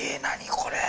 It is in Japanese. これ。